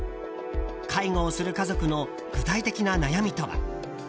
介護をする家族の具体的な悩みとは。